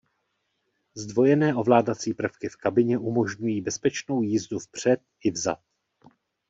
Zdvojené ovládací prvky v kabině umožňují bezpečnou jízdu vpřed i vzad.